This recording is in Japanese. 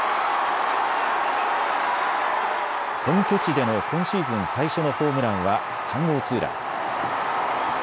本拠地での今シーズン最初のホームランは３号ツーラン。